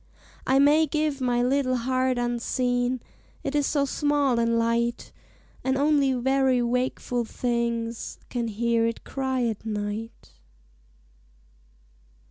I may give my little heart unseen, It is so small and light, And only very wakeful things Can hear it cry at night.